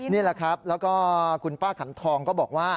นี่แหละครับแล้วก็คุณป้าขันทองก็บอกว่า